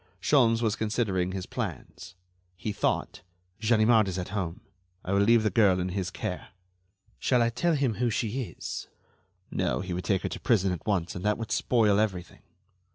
Sholmes was considering his plans. He thought: "Ganimard is at home. I will leave the girl in his care. Shall I tell him who she is? No, he would take her to prison at once, and that would spoil everything.